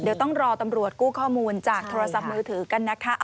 เดี๋ยวต้องรอตำรวจกู้ข้อมูลจากโทรศัพท์มือถือกันนะคะ